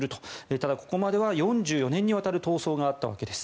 ただ、ここまでは４４年にわたる闘争があったわけです。